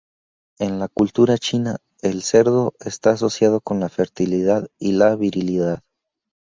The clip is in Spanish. En la cultura china, el cerdo está asociado con la fertilidad y la virilidad.